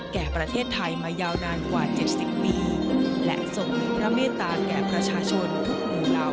แก่ประเทศไทยมายาวนานกว่า๗๐ปีและทรงมีพระเมตตาแก่ประชาชนทุกหมู่เหล่า